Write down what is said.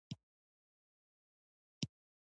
لار ښودونکی دی له الله تعالی څخه ډاريدونکو ته